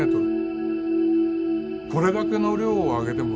これだけの量を揚げてもですね。